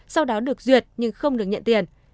sau đó được duyệt nhưng không được nhận tiền